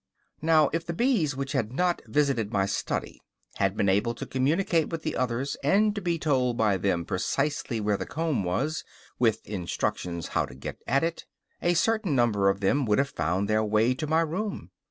Now if the bees which had not visited my study had been able to communicate with the others, and to be told by them precisely where the comb was, with instructions how to get at it, a certain number of them would have found their way to my room.